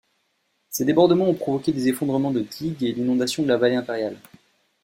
Ces débordements ont provoqué des effondrements de digues et l'inondation de la Vallée impériale.